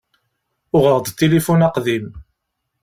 Uɣeɣ-d tilifun aqdim.